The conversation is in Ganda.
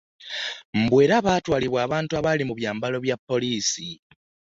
Mbu era baatwalibwa abantu abaali mu byambalo bya poliisi